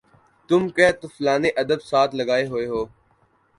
تُم کہ طفلانِ ادب ساتھ لگائے ہُوئے ہو